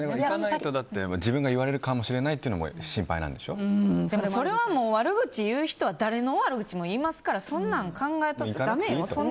行かないと自分が言われるかもしれないというのもそれはもう悪口言う人は誰の悪口も言いますからそんなの考えてもだめよ。